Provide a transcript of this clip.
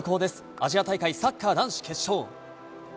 アジア大会、サッカー男子決勝。